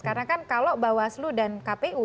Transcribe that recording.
karena kan kalau bawaslu dan kpu